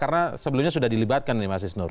karena sebelumnya sudah dilibatkan nih mas isnur